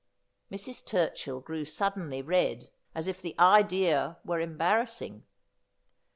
Mrs. Turchill grew suddenly red, as if the idea were embar rassing.